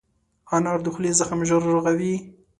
انار د خولې زخم ژر رغوي.